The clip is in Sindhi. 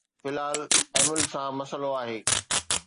في الحال ايميل سان مسئلو آهي